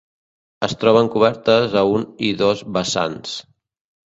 Es troben cobertes a un i dos vessants.